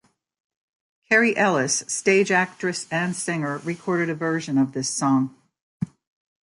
Kerry Ellis, stage actress and singer, recorded a version of this song.